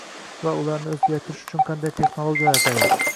va ularni oʻzgartirish uchun qanday texnologiyalar zarur?